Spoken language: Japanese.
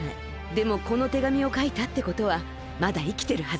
でもこの手紙をかいたってことはまだいきてるはず。